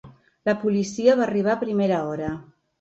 La policia va arribar a primera hora.